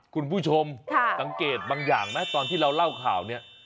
คุณผู้ชมสังเกตบางอย่างไหมตอนที่เราเล่าข่าวเนี่ย